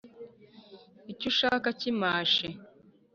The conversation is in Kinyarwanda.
Icyo ushaka kimashe.